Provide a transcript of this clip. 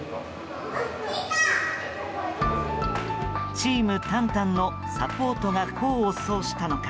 チームタンタンのサポートが功を奏したのか